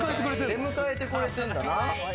出迎えてくれてんだな。